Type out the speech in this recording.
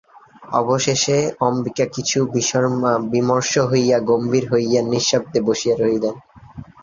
অবশেষে অম্বিকা কিছু বিমর্ষ হইয়া, গম্ভীর হইয়া, নিঃশব্দে বসিয়া রহিলেন।